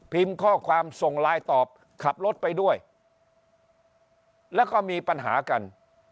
ข้อความส่งไลน์ตอบขับรถไปด้วยแล้วก็มีปัญหากัน